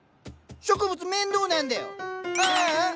植物面倒なんだよ！ああ！